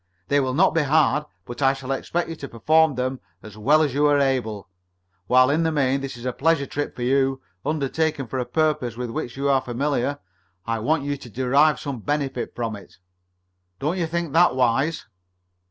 They will not be hard, but I shall expect you to perform them as well as you are able. While in the main this is a pleasure trip for you, undertaken for a purpose with which you are familiar, I want you to derive some benefit from it. Don't you think that wise?"